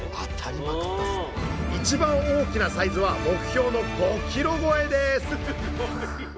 一番大きなサイズは目標の５ｋｇ超えです